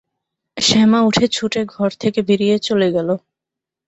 শ্যামা উঠে ছুটে ঘর থেকে বেরিয়ে চলে গেল।